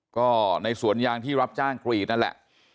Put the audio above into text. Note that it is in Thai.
ก็ในสวนยางที่รับจ้างนะครับ